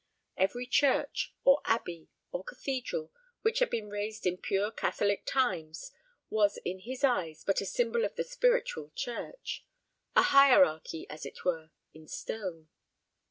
Every church, or abbey, or cathedral, which had been raised in pure catholic times, was in his eyes but a symbol of the spiritual church a hierarchy, as it were, in stone.